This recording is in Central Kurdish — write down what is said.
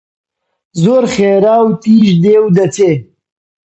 زۆر خێرا و تیژ دێ و دەچێ